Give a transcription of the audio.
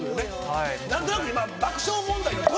何となく今。